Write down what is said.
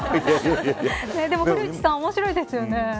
でも古市さん面白いですよね。